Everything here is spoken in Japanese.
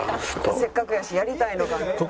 「せっかくやしやりたいのかね」